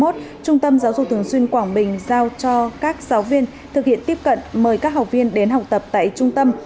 trung tâm giáo dục thường xuyên quảng bình giao cho các giáo viên thực hiện tiếp cận mời các học viên đến học tập tại trung tâm